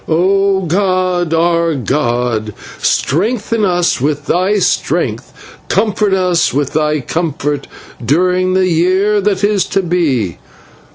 O god, our god, strengthen us with thy strength, comfort us with thy comfort during the day that is to be.